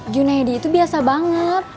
junaedi itu biasa banget